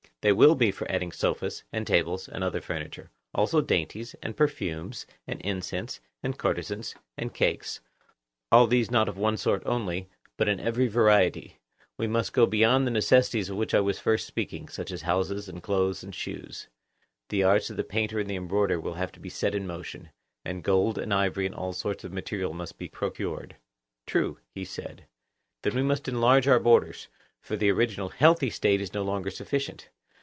They will be for adding sofas, and tables, and other furniture; also dainties, and perfumes, and incense, and courtesans, and cakes, all these not of one sort only, but in every variety; we must go beyond the necessaries of which I was at first speaking, such as houses, and clothes, and shoes: the arts of the painter and the embroiderer will have to be set in motion, and gold and ivory and all sorts of materials must be procured. True, he said. Then we must enlarge our borders; for the original healthy State is no longer sufficient.